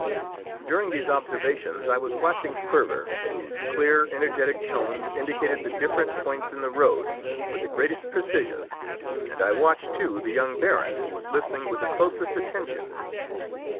During these observations I was watching Sperver, whose clear, energetic tones indicated the different points in the road with the greatest precision, and I watched, too, the young baron, who was listening with the closest attention.